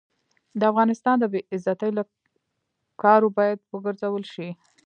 د افغانستان د بې عزتۍ له کارو باید وګرزول شي.